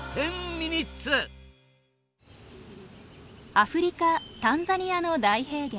アフリカタンザニアの大平原。